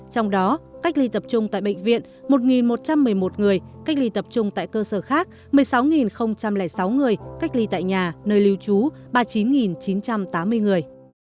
trong đó cách ly tập trung tại bệnh viện một một trăm một mươi một người cách ly tập trung tại cơ sở khác một mươi sáu sáu người cách ly tại nhà nơi lưu trú ba mươi chín chín trăm tám mươi người